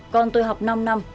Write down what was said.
con tôi học năm năm